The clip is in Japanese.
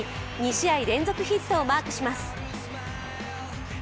２試合連続ヒットをマークします。